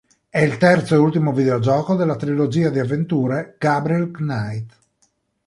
È il terzo e ultimo videogioco della trilogia di avventure "Gabriel Knight".